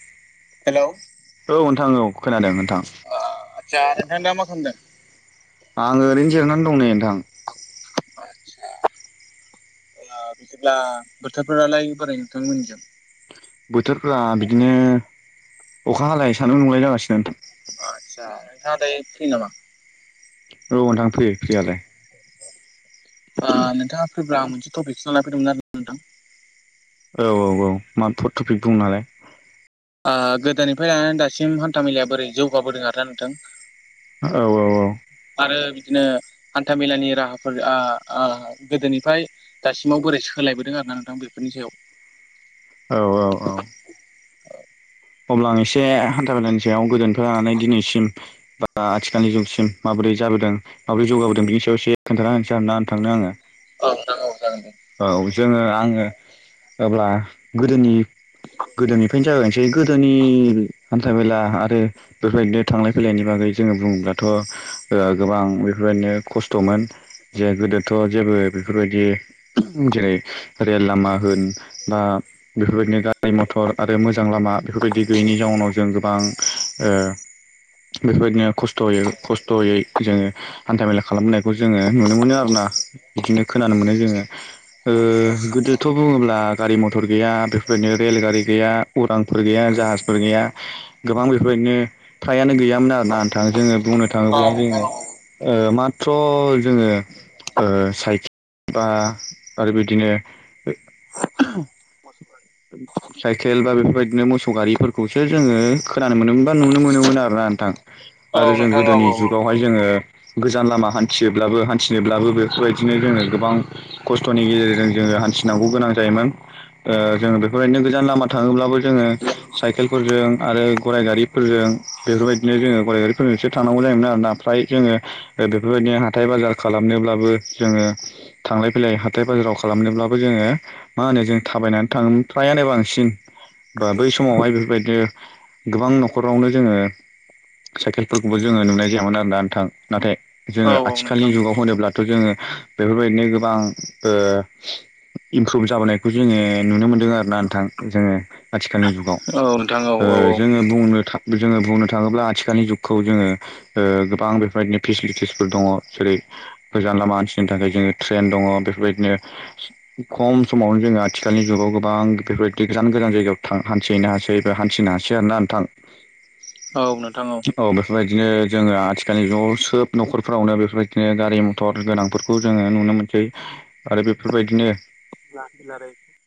[inaudible] Hello औ नोंथां औ खोनादों नोंथां ओ आदसा नोंथां दा मा खालामदों आं ओरैनो जिरायनानै दं नै नोंथां [unintelligible] ओ बिदिब्ला बोथोरफोरालाय बोरै नोंथांनिमोनिजों बोथोरफोरा‌ बिदिनो अखा हालाय सानदुं दुंलाय जागासिनो नोंथां आदसा नोंथाङा दायो फ्रि नामा ओ नोंथां फ्रि फ्रियालाय ओ नोंथाङा फ्रिब्ला मोनसे टपिकसो लाना फैदोंमोन आरोना नोंथां औ औ औ माथ [inaudible] [unintelligible] टपिक बुंनालाय ओ गोदोनिफ्राय लानानै दासिम हान्था मेलाया बोरै जौगाबोदों आरोना नोंथां औ औ औ आरो बिदिनो हान्था मेलानि राहाफोरा ओ ओ गोदोनिफ्राय दासिम आव बोरै सोलायबोदों आरोना नोंथां बेफोरनि सायाव औ औ औ [unintelligible] अब्ला आं एसे हान्था मेलानि सायाव गोदोनिफ्राय लानानै दिनैसिम बा आथिखालनि जुगसिम माबोरै जाबोदों माबोरै जौगाबोदों बिनि सायाव एसे खोन्थाना होनोसै आरोना नोंथांनो आङो औ नोंथां औ जागोन दे। औ जोङो आङो अब्ला गोदोनि-गोदोनिफ्रायनो जागायनसै बे गोदोनि हान्था मेला आरो बेफोरबायदिनो थांलाय फैलायनि बागै जोङो बुङोब्लाथ' ओ गोबां बेफोरबायदिनो खस्थ'मोन जे गोदोथ' जेबो बेफोरबायदि जेरै रेल लामा होन बा बेफोरबायदिनो गारि मथर आरो मोजां मोजां लामा बेफोरबायदि गैयैनि जाउनाव जों गोबां ओ बेफोरबायदिनो खस्थ'यै खस्थ'यै जोङो हान्था मेला खालामबोनायखौ जोङो नुनो मोनो आरोना ना बिदिनो खोनानो मोनो जोङो गोदोथ' बुङोब्ला गारि मथर गैया बेबादिनो रेलगारि गैया उरांफोर गैया जाहाजफोर गैया गोबां बेफोरबायदिनो फ्राइयानो गैयामोन आरोना नोंथा जोङो बुंनो औ थाङोब्ला नोंथां जोङो औ औ। माथ्र' जोङो ओ साइकेल बा आरो बिदिनो [unintelligible] साइकेल बा बेफोरबायदिनो मोसौ गारिफोरखौसो जोङो खोनानो मोनोमोन बा नुनो मोनोमोन आरोना ना नोंथां औ आरो जों नोंथां औ गोदोनि औ औ। जुगावहाय जोङो गोजान लामा हान्थियोब्लाबो हान्थिनोब्लाबो बेफोरबायदिनो जोङो गोबां खस्थ'नि गेजेरजों जोङो हान्थिनांगौ गोनां जायोमोन ओ जों बेफोरबायदिनो गोजान लामा थाङोब्लाबो जोङो साइकेलफोरजों आरो गराय गारिफोरजों बे बेफोरबायदिनो जोङो गराय गारि फोरजोंसो थांनांगौ जायोमोन आरो ना फ्राय जोङो बेफोरबायदिनो हाथाय बाजार खालामनोब्लाबो जोङो थांलाय फैलाय हाथाय बाजाराव खालामनोब्लाबो जोङो मा होनो जों थाबायनानै थां फ्राइयानो बांसिन बा बै समावहाय बेफोरबायदिनो गोबां नखरावनो जोङो साइकेलफोरखौबो जोङो नुनाय जायामोन आरोना नोंथां नाथाय औ जोङो औ आथिखालनि नोंथां। जुगाव होनोब्ला थ' जोङो बेफोरबायदिनो गोबां ओ इमप्रुभ जाबोनायखौ जोङो नुनो मोनदों आरोना नोंथां जोङो आथिखालनि जुगाव औ नोंथां औ ओ औ औ। जोङो बुंनो थां जोङो बुंनो थाङोब्ला आथिखालनि जुगाखौ जोङो ओ गोबां बेफोरबायदिनो फेसिलिटिसफोर दङ जेरै गोजान लामा हानथिनो थाखाय जोङो ट्रेन दङ बेफोरबायदिनो खम समावनो जोङो आथि आथिखालनि जुगाव गोबां बेफोरबायदि गोजान गोजान जायगायाव थां हान्थिनो हासै बा हान्थिनो हासै आरोना नोंथां औ नोंथां औ बेफोरबायदिनो जोङो आथिखालनि ज' सोब नखरफ्रावनो बेफोरबायदिनो गारि मथर गोनांफोरखौ जोङो नुनो नुनो मोनसै आरो बेफोरबायदिनो [unintelligible]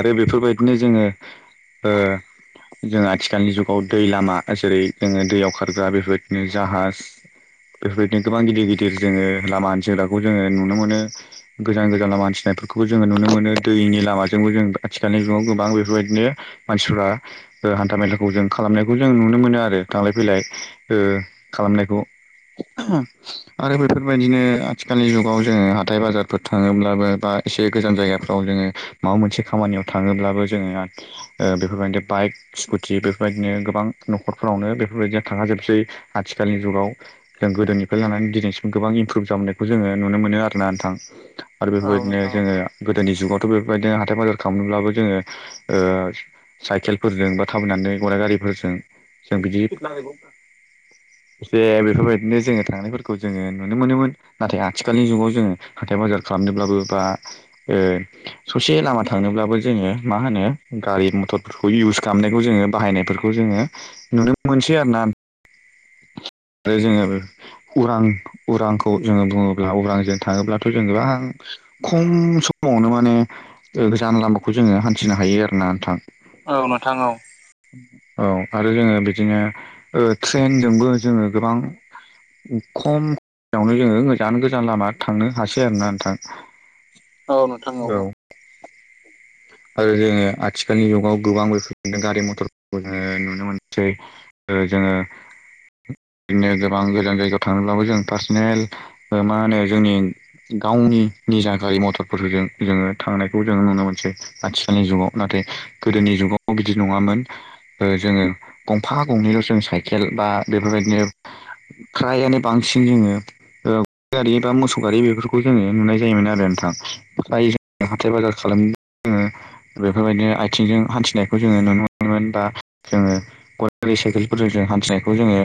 आरो बेफोरबायदिनो जोङो ओ जों आथिखालनि जुगाव दै लामा जेरै जोङो दैयाव खारग्रा बेफोरबायदिनो जाहाज बेफोरबायदिनो गोबां गिदिर गिदिर जोङो लामा हानथिग्राखौ जोङो नुनो मोनो गोजान गोजान लामा हानथिनाय बेफोरबोखौ जोङो नुनो मोनो दैनि लामा जोंबो जों आथिखालनि जुगाव गोबां बेफोरबायदिनो मानसिफ्रा हान्था मेलाखौ जों खालामनायखौ जों नुनो मोनो। नुनो मोनो आरो थांलाय फैलाय ओ खालामनायखौ आरो बेफोरबायदिनो आथिखालनि जुगाव जोङो हाथाय बाजारफोर थाङोब्लाबो बा एसे गोजान जायगाफ्राव जोंङो माबा मोनसे खामानियाव थाङोब्लाबो जोंङो ओ बेफोरबायदिनो बाइक स्कुटि बेफोरबायदिनो गोबां नखरफोरावनो बेफोरबायदिया थाखाजोबसै आथिखालनि जुगाव जों गोदोनिफ्राय लानानै दिनैसिम गोबां इमप्रुभ जाबोनायखौ जोंङो नुनो मोनो आरोना नोंथां आरो औ बेफोरबायदिनो नोंथां औ जोंङो गोदोनि जुगाव बेबायदिनो हाथथाय बाजार खालामनोब्लाबो जोंङो ओ साइकेलफोरजों बा थाबायनानै गराइ गारिफोरजों जों एसे बिदि स्पिड रायलायबाव ए बेफोरबायदिनो जोःङो थांनायफोरखौ जोंङो नुनो मोनोमोन नाथाय आथिखालनि जुगाव जोंङो हाथाय बाजार खालामनोब्लाबो बा ओ ससे लामा थांनोब्लाबो जोंङो मा होनो गारि मथरफोरखौ इउस खालामनायखौ जोंङो बाहायनायफोरखौ जोंङो जोंङो नुनो मोनसै आरोना। [inaudible] आरो जोंङो उरां उरांखौ जोंङो बुङोब्ला उरांजों थाङोब्लाथ' जों गोबां खम समावनो माने गोजान लामाखौ जोंङो हान्थिनो हायो आरो ना नोंथां। औ नोंथां औ औ आरो जोंङो बिदिनो ट्रेनजोंबो जोंङो गोबां खमावनो जोंङो गोजान गोजान लामा थांनो हासै आरोना नोंथां औ नोंथां औ औ। [inaudible] आरो जोंङो आथिखालनि जुगाव गोबां बेफोर मोनदों गारि मथरफोरखौ जोंङो नुनो मोनसै जोंङो। बिदिनो गोबां गोजान जायगायाव थांङोब्लाबो जों पार्सनेल मा होनो जोंनि गावनि निजा गारि मथरफोरजों जोंङो थांनायखौ जोंङो नुनो मोनसै आथिखालनि जुगाव नाथाय गोदोनि जुगाव बिदि नङामोन। जोंङो गंफा गंनैल जों साइकेल बा बेफोरबायदिनो फ्रायानो बांसिन बांसिन जोंङो ओ गारि बा मोसौ गारि बेफोरखौ जोंङो नुनाय जायोमोन आरो नोंथां ओमफ्राय हाथाय बाजार खालामनो जोङो [inaudible] बेफोरबायदिनो आथिंजों हान्थिनायखौ जोंङो नुनो मोनोमोन दा जोंङो गारि साइकेलफोरजों हान्थिनायखौ जोंङो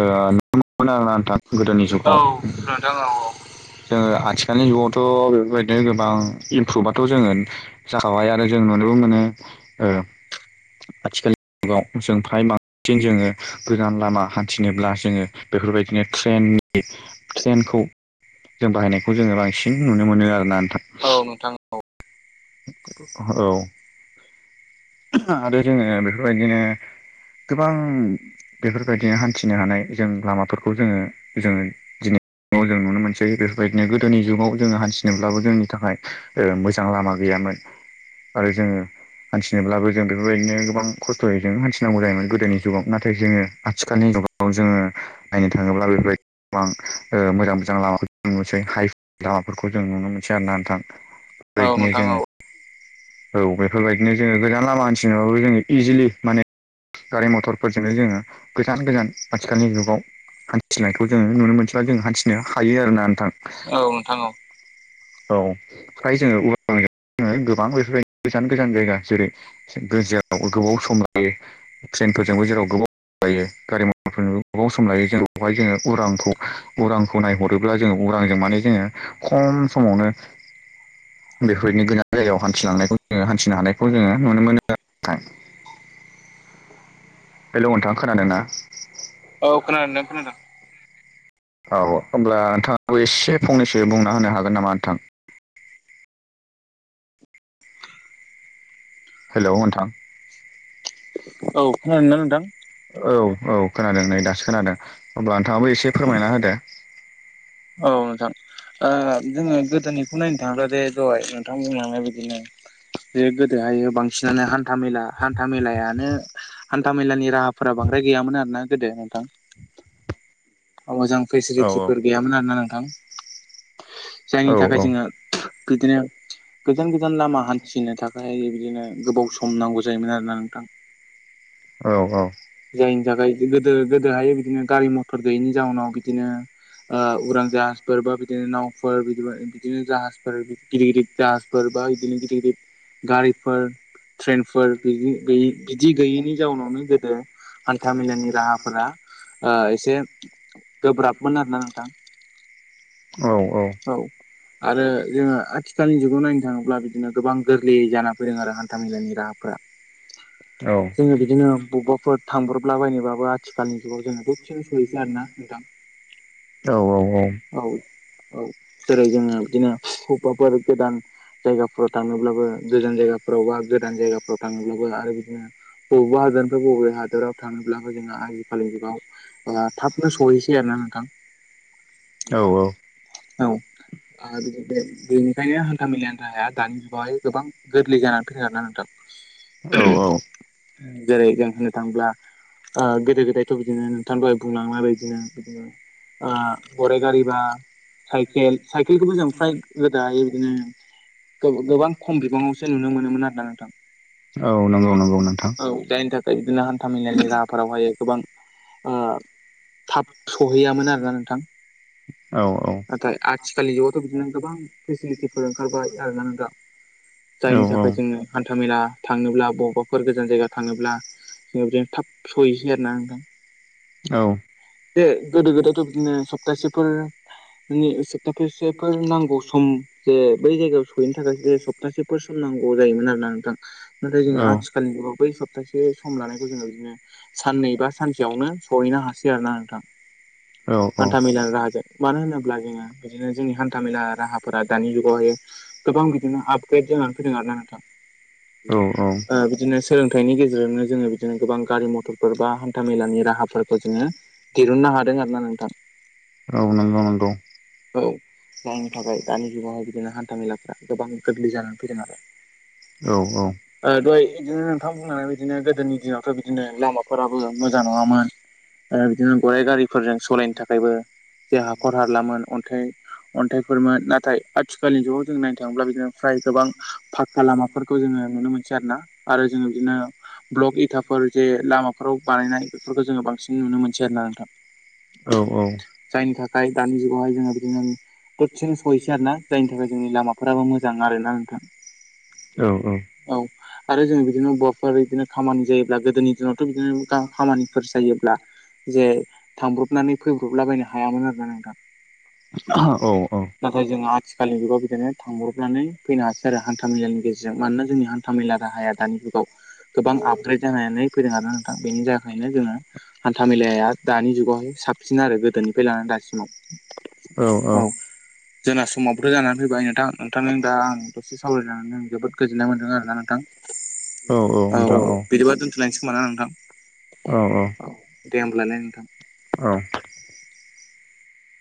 ओ नुनो मोनोमोन आरो नोंथां गोदोनि औ जुगाव नोंथां औ जोंङो आथिखाल दानि जुगावथ' बेफोरबायदिनो गोबां इमप्रुभथ'जोंङो जाखाबाय आरो जों नुनोबो मोनो ओ आथिखालनि जुगाव जों फ्राय बांसिन जोंङो गोदान लामा हान्थिनोब्ला जोंङो बेफोरबायदिनो ट्रेननि ट्रेनखौ जों बाहायनायखौ जोंङो बांसिन नुनो मोनो आरोना। नोंथां औ नोंथां औ। औ आरो जोंङो बेफोरबायदिनो गोबां बेफोरबायदिनो हान्थिनो हानाय जों लामाफोरखौ जोंङो जोंङो दिनै न'आव जों नुनो मोनसै बेफोरबायदिनो गोदोनि जुगाव जोंङो हान्थिनोब्लाबो जोंनि थाखाय मोजां लामा गैयामोन आरो जोंङो हान्थिनोब्लाबो जों बेफोरबायदिनो गोबां खस्थयै जों हान्थिनांगौ जायोमोन गोदोनि जुगाव नाथाय जोंङो आथिखालनि नगाव जोंङो नायनो थाङोब्ला बेफोर गोबां मोजां मोजां लामा नसै हाइ लामाफोरखौ जों नुनो मोनसै आरो नोंथां औ बेबायदिनो नोंथां औ जोङो औ बेफोरबायदिनो जोङो गोजान लामा हानथिनोबाबो जोङो इजिलि माने गारि मथरफोरजोंनो जोङो गोजान गोजान आथिखालनि जुगाव हान्थिनायखौ जोङो नुनो मोनथिब्ला जों हान्थिनो हायो आरोना नोंथां। औ नोंथां औ। औ फ्राय जोङो उरांजों जोङो गोबां बेफोरबायनो गोजान गोजान जायगा जेरै जेराव गोबाव सम लायो ट्रेन फोरजोंबो जेराव गोबाव सम लायो गारि मटरफोरजों गोबाव सम लायो जों बेवहाय जोङो उरांखौ उरांखौ नायहरोब्ला जोङो उरांजों माने जोङो खम समावनो बेफोरबादिनो गोजान जायगायाव हान्थिलांनायखौ जोङो हान्थिनो हानायखौ जोङो नुनो मोनो आरोना नोंथां। [inaudible] हेल' नोंथां खोनादों ना? औ खोनादों नोंथां खोनादों। औ होमब्ला नोंथाङाबो एसे फंनैसो बुंना होनो हागोन नामा नोंथां? हेल' नोंथां। औ खोनादों ना नोंथां [unintelligible] औ। औ खोनादों नै दासो खोनादों अब्ला नोंथाङाबो एसे फोरमायना होदो। औ नोंथां ओ जोङो गोदोनिखौ नायनो थाङोब्ला बे दहाय नोंथां बुंलांनाय बादिनो बे गोदोहाय बांसिनानो हान्था मेला हान्था मेलायानो हान्था मेलानि राहाफोरा बांद्राय गैयामोन आरोना गोदो नोंथां। मोजां औ फेसिलिटिफोर गैयामोन आरोना नोंथां। जायनि औ थाखाय जोङो बिदिनो गोजान गोजान लामा हान्थिनो थाखाय बिदिनो गोबाव सम नांगौ जायोमोन आरोना नोंथां। औ औ। जायनि थाखाय गोदो गोदोहाय बिदिनो गारि मथर गैयैनि जाउनाव बिदिनो ओ उरां जाहाजफोर बा बिदिनो नावफोर बिदि-बिदिनो जाहाजफोर गिदिर गिदिर जाहाज फोर बा बिदिनो गिदिर गिदिर गारिफोर ट्रेनफोर बिदि बिदि गैयैनि जाउनावनो गोदो हान्था मेलानि राहाफोरा ओ एसे गोब्राबमोन आरोना नोंथां। औ औ। आरो जोङो आथिखालनि जुगाव नायनो थाङोब्ला बिदिनो गोबां गोरलै जाना फैदों आरो हान्था मेलानि राहाफ्रा। औ जोङो बिदिनो बबेबाफोर थांब्रबला बायनोबाबो आथिखालनि जुगाव जोङो बहुद चेन्ज नुसै आरोना नोंथां। औ औ, औ औ। जेरै जोङो बिदिनो बबेबाफोर गोदान जायगाफोराव थाङोब्लाबो गोजान जायगाफोर फोरावबो गोदान जायगाफोराव थाङोब्लाबो आरो बिदिनो बबेबा हादरनिफ्राय बबेब हादराव फोराव थाङोब्लाबो जोंहा आजिखालिनि जुगाव ओ थाबनो सहैसै आरोना नोंथां। औ औ। औ। ओ बेनिखायनो हान्था मेलानि राहाया दानि जुगावहाय गोबां गोरलै जानानै फैदों आरोना नोंथां। औ औ। जेरै जों होननो थाङोब्ला ओ गोदो गोदायथ' बिदिनो नोंथाङा दहाय बुंलांनाय बायदिनो बिदिनो ओ गराइ गारि बा साइखेल, साइकेलखौबो जों फ्राय गोदाहाय बिदिनो गो-गोबां खम बिबाङावसो नुनो मोनोमोन आरोना नोंथां। औ नंगौ नंगौ नोंथां‌। औ जायनि थाखाय बिदिनो हान्था मेलानि राहाफोरावहाय गोबां ओ थाब सहैयामोन आरोना नोंथां। औ औ नाथाय आथिखालनि जुगावथ' बिदिनो गोबां फेसिलिटिफोर ओंखारबाय आरोना नोंथां। औ जायनि थाखाय जोङो हान्था मेला थांनोब्ला बबेबाफोर गोजान जायगा थांनोब्ला बेजों थाब सहैनोसै आरोना नोंथां। दो गोदो गोदायथ' बिदिनो सप्तासे फोर सप्तासे फोर नांगौ सम जे बै जायगायाव सहैनो थाखाय जे सप्तासे फोर सम नांगौ जायोमोन आरो नोंथां नाथाय जोङो आथिखालनि जुगाव बै सप्टासे सम ला नायखौ जोङो बिदिनो साननै बा सानसेयावनो सहैनो हासै आरोना नोंथां। औ हान्था मेलानि राहाजों। मानो होनोब्ला जोङो बिदिनो जोंनि हान्था मेला राहा फोरा दानि जुगाव हाय गोबां बिदिनो आपग्रेद जानानै फैदों आरोना नोंथां औ ओ बिदिनो सोलों थाइनि गेजेरजोंनो जोङो बिदिनो गोबां गारि मथरफोर बा हान्था मेलानि राहा फोरखौ जोङो दिहुननो हादों आरो ना नोंथां। औ नंगौ नंगौ औ जायनि थाखाय दानि जुगाव बिदिनो हान्था मेलाफ्रा गोबां गोरलै जानानै फैदों आरो। औ ओ दहाय बिदिनो नोंथां बुंनानै बिदिनो गोदोनि दिनाव बिदिनो लामा फोराबो मोजां नङा मोन ओ बिदिनो गराइ गारि फोरजों सलायनो थाखायबो जे हाखर हालाममोन अन्थाइ अन्थाइ फोरमोन नाथाय आथिखालनि जुगाव जों नायनो थाङोब्ला बिदिनो फ्राय गोबां फाक्का लामा फोरखौ जोङो नुनो मोन सै आरोना आरो जोङो बिदिनो ब्लक इथाफोर जे लामा फोराव बानायनाय बेफोरखौ जोङो बांसिन नुनो मोनसै आरो ना नोंथां। औ औ। फाय दानि जुगावहाय जोङो बिदिनो द सेनो सहैसै आरो ना जायनि थाखाय जोंनि लामाफ्राबो मोजां आरोना नोंथां औ औ आरो जों बिदिनो बवाफोर बिदिनो खामानि जायोब्ला गोदोनि दिनावथ' बिदिनो खामानि फोर जायोब्ला जे थांब्रब नानै फैब्रबला बायनो हायामोन आरोना नोंथां। [unintelligible] औ औ। खालि जुगाव बिदिनो थांब्रबनानै फैनो हासै आरो हान्था मेलानि गेजे जों मानोना जोंनि हान्था मेला राहाया दानि जुगाव गोबां आपग्रेद जानानै फैदों आरोना नोंथां बेनि थाखायनो नो जोङो हान्था मेलाया दानि जुगाव हाय साबसिन आरो गोदोनिफ्राय लानानै दासिमाव। औ औ। जोंना समावबोथ' जानानै फैबाय नोंथां नोंथां दा आं दसे सावरायनानै जोबोद गोजोननाय मोन्दों आरोना नोंथां। औ औ बिदिबा दोनथ'लानोसै खोमा नोंथां। औ औ। दे होमब्लालाय नोंथां। औ।